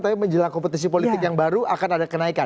tapi menjelang kompetisi politik yang baru akan ada kenaikan